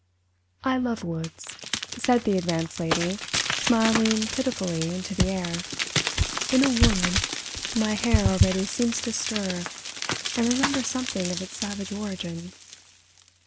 "I love woods," said the Advanced Lady, smiling pitifully into the air. "In a wood my hair already seems to stir and remember something of its savage origin."